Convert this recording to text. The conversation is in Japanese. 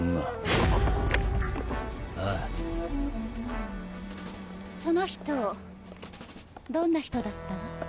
・その人どんな人だったの？